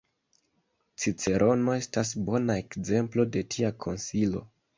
Cicerono estas bona ekzemplo de tia konsilo.